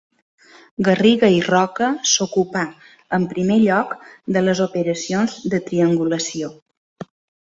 Garriga i Roca s'ocupà, en primer lloc, de les operacions de triangulació.